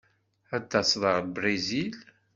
Ad d-taseḍ ɣer Brizil?